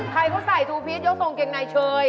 ใครเขาใส่ทูพีชยกทรงเกงในเชย